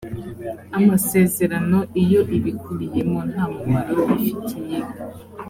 amasezerano iyo ibikubiyemo nta mumaro bifitiye